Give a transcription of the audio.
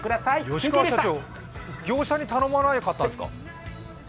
吉川社長、業者に頼まなかったんですか？